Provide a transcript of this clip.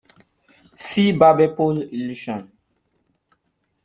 See Barberpole illusion.